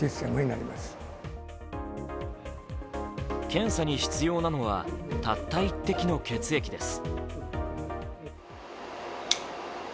検査に必要なのはたった１滴の血液です。